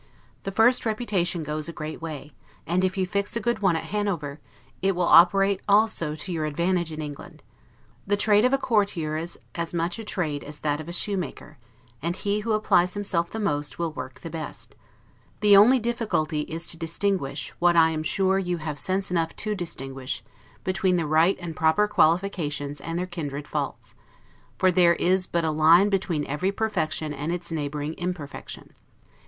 The first reputation goes a great way; and if you fix a good one at Hanover, it will operate also to your advantage in England. The trade of a courtier is as much a trade as that of a shoemaker; and he who applies himself the most, will work the best: the only difficulty is to distinguish (what I am sure you have sense enough to distinguish) between the right and proper qualifications and their kindred faults; for there is but a line between every perfection and its neighboring imperfection.